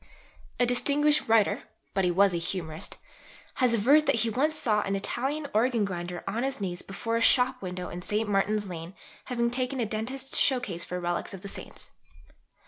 A distinguished writer (but he was a humorist) has averred that he once saw an Italian organ grinder on his knees before a shop window in St. Martin's Lane, having taken a dentist's showcase for relics of the saints.